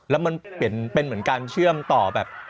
แล้วมันเป็นเหมือนการเชื่อมต่อแบบ